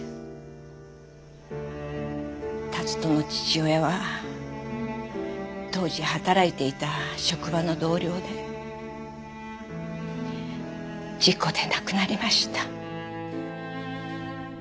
龍登の父親は当時働いていた職場の同僚で事故で亡くなりました。